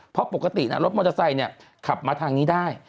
เพราะปกติรถมอเตอร์ไซค์ขับมาทางนี้ได้